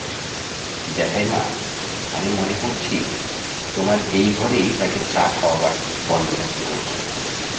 জেঠাইমা, আমি মনে করছি, তোমার এই ঘরেই তাকে চা খাওয়াবার বন্দোবস্ত করব।